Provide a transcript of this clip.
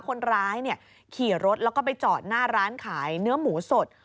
คนร้ายขี่รถแล้วก็ไปจอดหน้าร้านขายเนื้อหมูสด